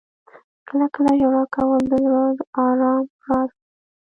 • کله کله ژړا کول د زړه د آرام راز وي.